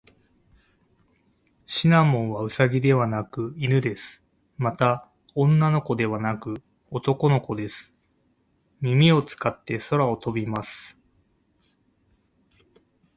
シナモンはウサギではなく犬です。また、女の子ではなく男の子です。耳を使って空を飛びます。